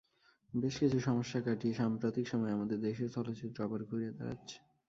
বেশ কিছু সমস্যা কাটিয়ে সাম্প্রতিক সময়ে আমাদের দেশীয় চলচ্চিত্র আবার ঘুরে দাঁড়াচ্ছে।